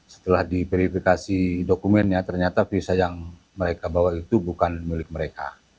setelah diverifikasi dokumennya ternyata visa yang mereka bawa itu bukan milik mereka